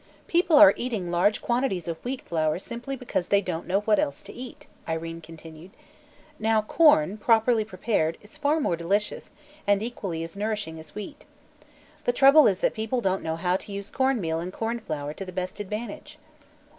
"People are eating large quantities of wheat flour simply because they don't know what else to eat," Irene continued. "Now, corn, properly prepared, is far more delicious and equally as nourishing as wheat. The trouble is that people don't know how to use corn meal and corn flour to the best advantage."